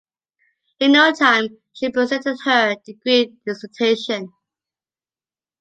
In no time she presented her degree dissertation.